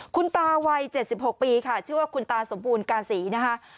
คุณตาวัย๗๖ปีค่ะชื่อว่าคุณตาสมบูรณกาศีนะคะ